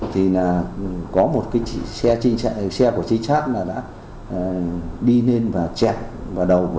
thì là có một cái xe của chính sát đã đi lên và chẹp vào đầu